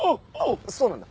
そうなんだ。